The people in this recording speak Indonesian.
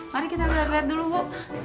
mari kita lihat lihat dulu bu